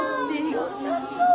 よさそう！